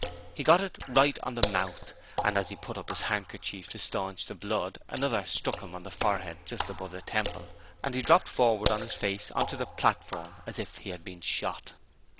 He got it right on the mouth, and as he put up his handkerchief to staunch the blood another struck him on the forehead just above the temple, and he dropped forward on his face on to the platform as if he had been shot.